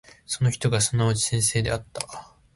その人がすなわち先生であった。